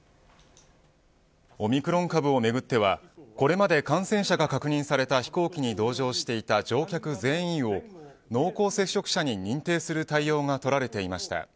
オミクロン株をめぐってはこれまで感染者が確認された飛行機に同乗していた乗客全員を濃厚接触者に認定する対応が取られていました。